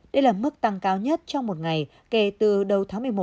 đây là mức tăng cao nhất trong một ngày kể từ đầu tháng một mươi một năm hai nghìn hai mươi